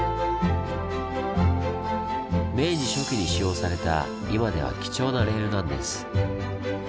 明治初期に使用された今では貴重なレールなんです。